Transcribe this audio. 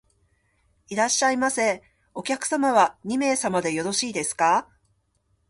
いらっしゃいませ。お客様は二名様でよろしいですか？